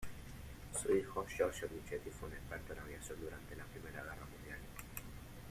Su hijo, Giorgio Michetti, fue un experto en aviación durante Primera Guerra mundial.